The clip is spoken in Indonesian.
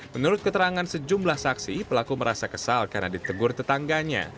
menurut keterangan sejumlah saksi pelaku merasa kesal karena ditegur tetangganya